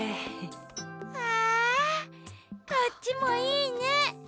わこっちもいいね。